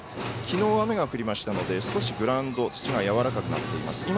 きのう雨が降りましたので少しグラウンド土がやわらかくなっています。